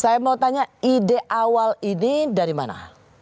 saya mau tanya ide awal ini dari mana